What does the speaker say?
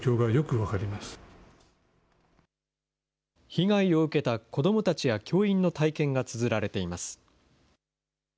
被害を受けた子どもたちや教員の体験がつづられています。